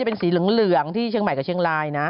เป็นสีเหลืองที่เชียงใหม่กับเชียงรายนะ